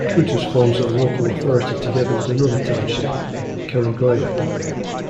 Kutus forms a local authority together with another township, Kerugoya.